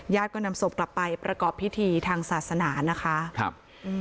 ก็นำศพกลับไปประกอบพิธีทางศาสนานะคะครับอืม